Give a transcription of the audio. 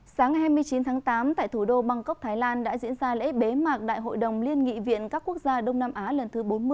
sáng hai mươi chín tháng tám tại thủ đô bangkok thái lan đã diễn ra lễ bế mạc đại hội đồng liên nghị viện các quốc gia đông nam á lần thứ bốn mươi